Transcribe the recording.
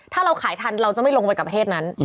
ถ้าเราขายทันเราจะไม่ลงไปกับประเทศนั้น